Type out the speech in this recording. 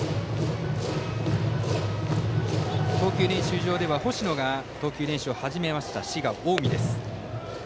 投球練習場では星野が投球練習を始めました滋賀・近江です。